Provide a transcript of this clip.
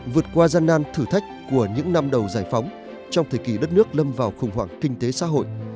vượt qua gian nan thử thách của những năm đầu giải phóng trong thời kỳ đất nước lâm vào khủng hoảng kinh tế xã hội